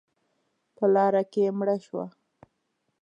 _په لاره کې مړه شوه.